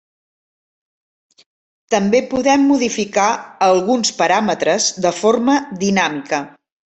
També podem modificar alguns paràmetres de forma dinàmica.